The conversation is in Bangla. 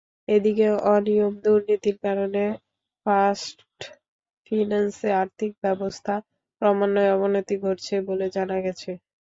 এদিকে, অনিয়ম-দুর্নীতির কারণে ফার্স্ট ফিন্যান্সে আর্থিক অবস্থা ক্রমান্বয়ে অবনতি ঘটছে বলে জানা গেছে।